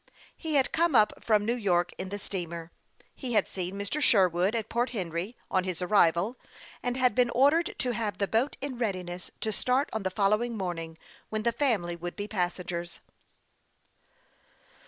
He had come up from New York in the steamer. He had seen Mr. Sher wood at Port Henry, on his arrival, and had been ordered to have the boat in readiness to start on the following morning, when the family would be passengers.